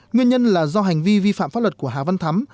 nguyên nhân là do hành vi vi phạm pháp luật của hà văn thắm